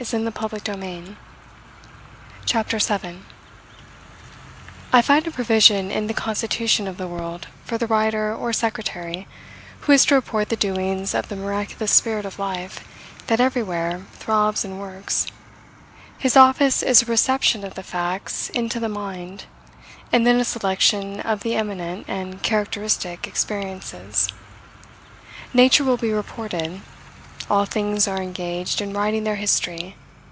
GOETHE; OR, THE WRITER I find a provision in the constitution of the world for the writer or secretary, who is to report the doings of the miraculous spirit of life that everywhere throbs and works. His office is a reception of the facts into the mind, and then a selection of the eminent and characteristic experiences. Nature will be reported. All things are engaged in writing their history.